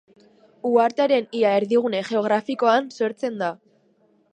Uhartearen ia erdigune geografikoan sortzen da.